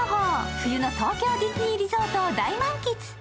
冬の東京ディズニーリゾートを大満喫。